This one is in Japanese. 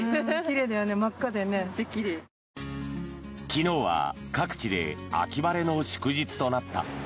昨日は各地で秋晴れの祝日となった。